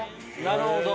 なるほど！